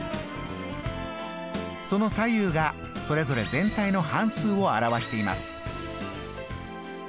その左右がそれぞれ全体の半数を表しています。